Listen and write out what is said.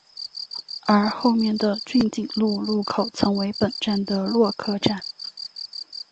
而后面的骏景路路口曾为本站的落客站。